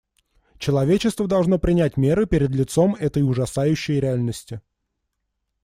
Человечество должно принять меры перед лицом этой ужасающей реальности.